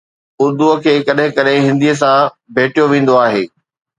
اردو کي ڪڏهن ڪڏهن هندي سان ڀيٽيو ويندو آهي